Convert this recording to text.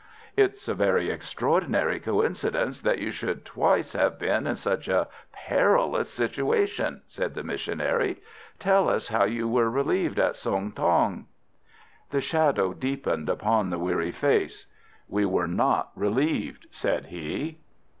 "It's a very extraordinary coincidence that you should twice have been in such a perilous situation," said the missionary. "Tell us how you were relieved at Sung tong." The shadow deepened upon the weary face. "We were not relieved," said he.